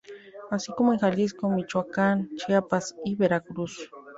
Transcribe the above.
Así como en Jalisco, Michoacán, Chiapas y Veracruz.